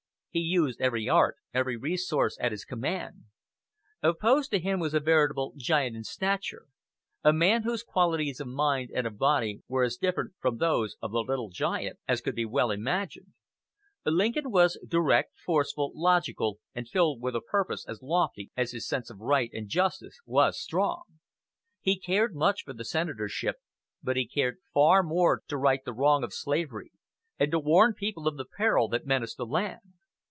He used every art, every resource, at his command. Opposed to him was a veritable giant in stature a man whose qualities of mind and of body were as different from those of the "Little Giant" as could well be imagined. Lincoln was direct, forceful, logical, and filled with a purpose as lofty as his sense of right and justice was strong. He cared much for the senatorship, but he cared far more to right the wrong of slavery, and to warn people of the peril that menaced the land.